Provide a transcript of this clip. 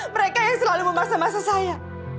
mereka yang selalu memaksa masa saya